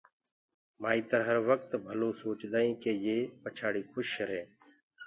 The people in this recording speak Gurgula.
مآئتر هروقت ڀلو سوچدآئينٚ ڪي يي پڇآڙي کُش ريهينٚ